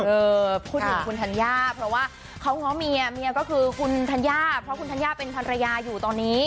พูดถึงคุณธัญญาเพราะว่าเขาง้อเมียเมียก็คือคุณธัญญาเพราะคุณธัญญาเป็นภรรยาอยู่ตอนนี้